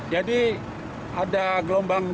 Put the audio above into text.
jadi ada gelombangnya